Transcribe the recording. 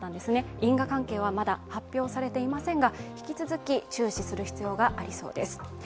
因果関係はまだ発表されていませんが、引き続き注視する必要がありそうです。